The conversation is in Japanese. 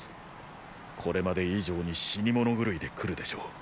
これまで以上に死に物狂いで来るでしょう。